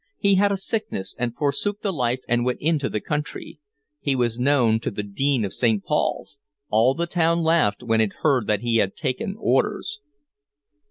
He had a sickness, and forsook the life and went into the country. He was known to the Dean of St. Paul's. All the town laughed when it heard that he had taken orders."